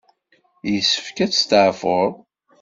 Yessefk ad testeɛfuḍ.